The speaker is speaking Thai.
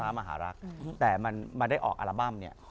ลักษณะมหารักษณ์แต่มันไม่ได้ออกอัลบั้มเนี่ย